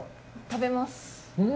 食べます。